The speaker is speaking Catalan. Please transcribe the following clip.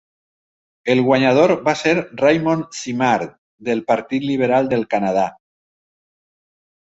El guanyador va ser Raymond Simard, del Partit Liberal del Canadà.